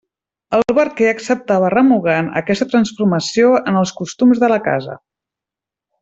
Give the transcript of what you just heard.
El barquer acceptava remugant aquesta transformació en els costums de la casa.